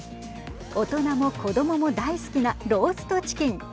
大人も子どもも大好きなローストチキン。